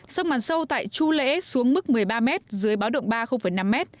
sông màn sâu tại chu lễ xuống mức một mươi ba m dưới báo động ba năm m